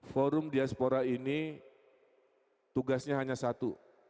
forum diaspora ini tugasnya hanya satu